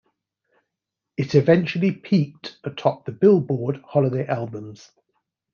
It eventually peaked atop the "Billboard" Holiday Albums.